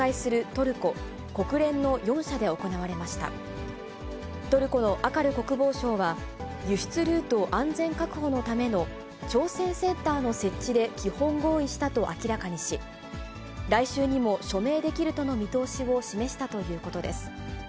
トルコのアカル国防相は、輸出ルート安全確保のための調整センターの設置で基本合意したと明らかにし、来週にも署名できるとの見通しを示したということです。